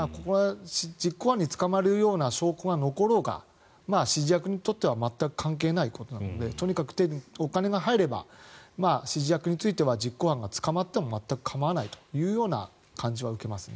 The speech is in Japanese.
実行犯が捕まるような証拠が残ろうが指示役にとっては全く関係ないことなのでとにかくお金が入れば指示役については実行犯が捕まっても全く構わないというような感じは受けますね。